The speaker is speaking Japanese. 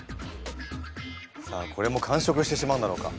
さあこれも完食してしまうんだろうか。